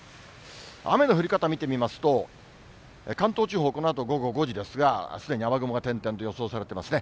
雨の降り方見てみますと、関東地方、このあと午後５時ですが、すでに雨雲が点々と予想されていますね。